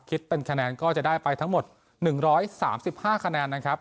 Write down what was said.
คิดเป็นคะแนนก็จะได้ไปทั้งหมดหนึ่งร้อยสามสิบห้าคะแนนนะครับ